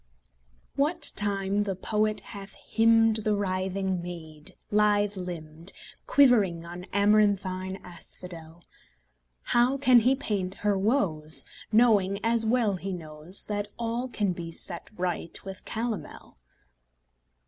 What time the poet hath hymned The writhing maid, lithe limbed, Quivering on amaranthine asphodel, How can he paint her woes, Knowing, as well he knows, That all can be set right with calomel?